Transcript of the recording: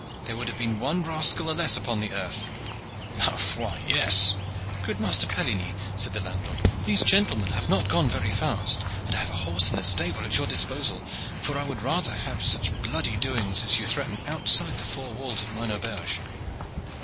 There would have been one rascal the less upon earth. Ma foi, yes!" "Good master Pelligny," said the landlord, "these gentlemen have not gone very fast, and I have a horse in the stable at your disposal, for I would rather have such bloody doings as you threaten outside the four walls of mine auberge."